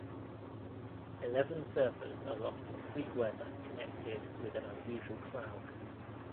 Eleven surfers are lost in freak weather connected with an unusual cloud.